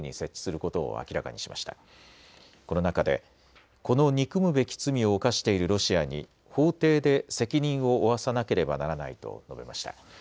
この中でこの憎むべき罪を犯しているロシアに法廷で責任を負わさなければならないと述べました。